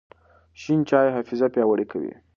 شین چای حافظه پیاوړې کوي.